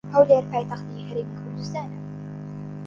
هەولێر پایتەختی هەرێمی کوردستانە.